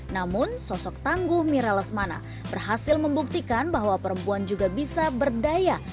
namun sosok tangguh mira lesmana berhasil membuktikan bahwa perempuan juga bisa berdaya